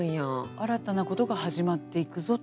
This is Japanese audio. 新たなことが始まっていくぞという。